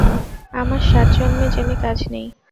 আমার সাতজন্মে জেনে কাজ নেই।